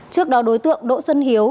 trước đó đối tượng đỗ xuân hiếu